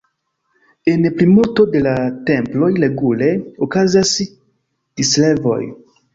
En plimulto de la temploj regule okazas diservoj.